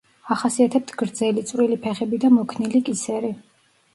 ახასიათებთ გრძელი წვრილი ფეხები და მოქნილი კისერი.